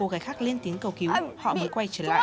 cô gái khác lên tiếng cầu cứu họ mới quay trở lại